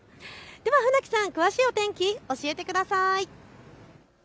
船木さん、詳しいお天気、教えてください。